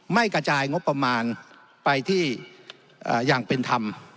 ไม่กระจายงบประมาณไปที่อย่างเป็นธรรม